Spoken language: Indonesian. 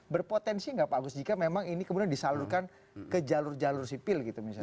berpotensi nggak pak agus jika memang ini kemudian disalurkan ke jalur jalur sipil gitu misalnya